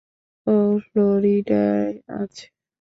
ও ফ্লোরিডায় আছে।